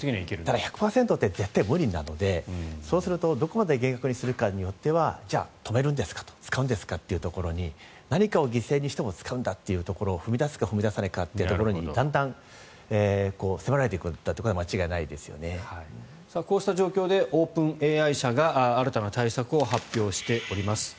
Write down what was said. ただ１００％って絶対無理なのでそうするとどこまで厳格化するかによってはじゃあ、止めるんですか使うんですかというところ何かを犠牲にしても使うんですかというところに踏み出すか踏み出さないかというところに迫られていくのはこうした状況でオープンＡＩ社が新たな対策を発表しております。